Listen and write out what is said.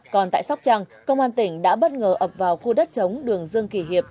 còn tại sóc trăng công an tỉnh đã bất ngờ ập vào khu đất chống đường dương kỳ hiệp